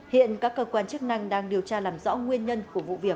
hiện các cơ quan chức năng đang điều tra làm rõ nguyên nhân của vụ việc